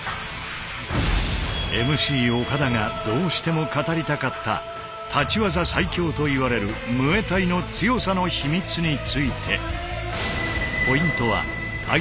ＭＣ岡田がどうしても語りたかった立ち技最強といわれるムエタイの強さの秘密について。